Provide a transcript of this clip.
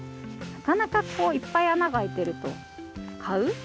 なかなかこういっぱいあながあいてるとかう？